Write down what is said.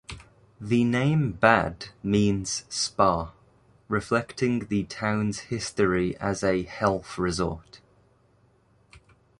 The name "Bad" means "spa", reflecting the town's history as a health resort.